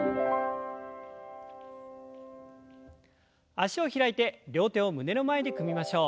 脚を開いて両手を胸の前で組みましょう。